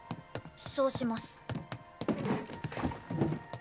そうします。